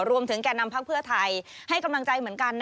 แก่นำพักเพื่อไทยให้กำลังใจเหมือนกัน